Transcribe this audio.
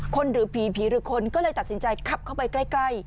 หรือผีผีหรือคนก็เลยตัดสินใจขับเข้าไปใกล้